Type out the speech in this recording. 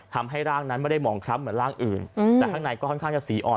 ทำให้ร่างนั้นไม่ได้หมองคล้ำเหมือนร่างอื่นแต่ข้างในก็ค่อนข้างจะสีอ่อน